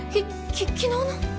き昨日の？